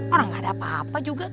orang gak ada apa apa juga